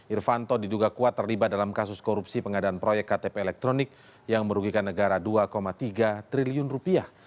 irfanto diduga kuat terlibat dalam kasus korupsi pengadaan proyek ktp elektronik yang merugikan negara dua tiga triliun rupiah